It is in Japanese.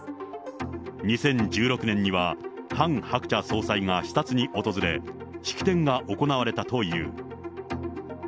２０１６年にはハン・ハクチャ総裁が視察に訪れ、式典が行われたという。